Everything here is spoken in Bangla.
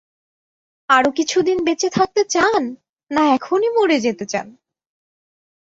আরো কিছুদিন বেঁচে থাকতে চান, না এখনি মরে যেতে চান?